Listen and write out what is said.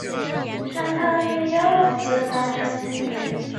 巴吉亚县是东帝汶民主共和国包考区的一个县。